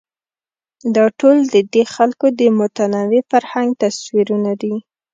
دا ټول ددې خلکو د متنوع فرهنګ تصویرونه دي.